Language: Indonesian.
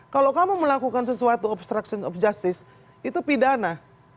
kalau kamu melakukan sesuatu obstruction of justice itu pidana